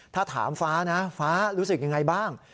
ถ้าถามฟ้านะฟ้ารู้สึกยังไงบ้าง